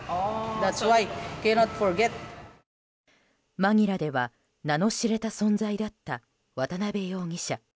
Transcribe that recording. マニラでは、名の知れた存在だった渡邉容疑者。